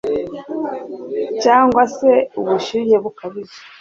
cyangwa se ubushyuhe bukabije.